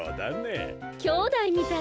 きょうだいみたいね。